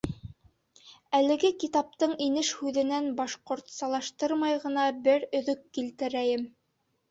Әлеге китаптың инеш һүҙенән, башҡортсалаштырмай ғына, бер өҙөк килтерәйем.